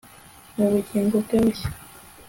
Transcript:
mu bugingo bwe bushya